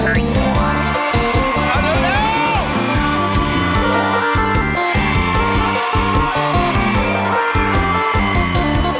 เร็วเฮ้ยเฮ้ยเฮ้ยเฮ้ยเฮ้ยเฮ้ยเฮ้ยเฮ้ย